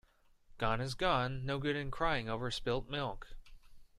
Gone is gone. No good in crying over spilt milk.